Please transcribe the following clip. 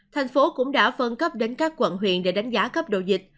thành phố cũng đã phân cấp đến các quận huyện để đánh giá cấp độ dịch